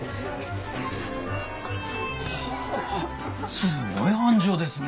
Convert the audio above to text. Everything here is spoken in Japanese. すごい繁盛ですね！